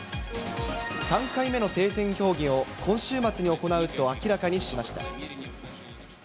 ３回目の停戦協議を今週末に行うと明らかにしました。